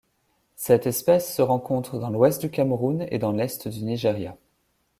Cette espèce se rencontre dans l'ouest du Cameroun et dans l'est du Nigeria.